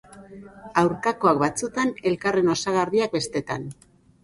Aurkakoak batzutan, elkarren osagarriak bestetan.